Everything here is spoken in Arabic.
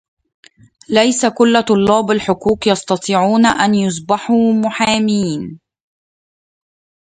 ليس كل طلاب الحقوق يستطيعون ان يصبحوا محامين